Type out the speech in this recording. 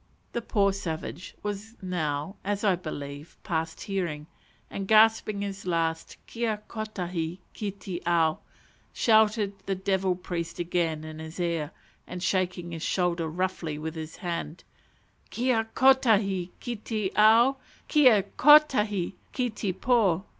_" The poor savage was now, as I believe, past hearing, and gasping his last "Kia kotahi ki te ao!" shouted the devil priest again in his ear, and shaking his shoulder roughly with his hand "_Kia kotahi ki te ao! Kia kotahi ki te po!